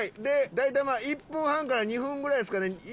で大体１分半から２分ぐらいですかね。